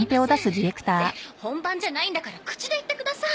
って本番じゃないんだから口で言ってください。